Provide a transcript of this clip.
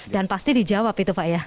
dan pasti dijawab itu pak ya